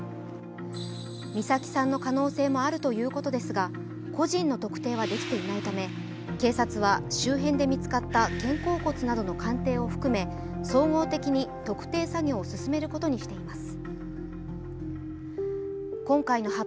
美咲さんの可能性もあるということですが、個人の特定はできていないため、警察は周辺で見つかった肩甲骨などの鑑定を含め総合的に特定作業を進めることにしています。